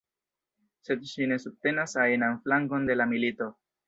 Sed ŝi ne subtenas ajnan flankon de la milito.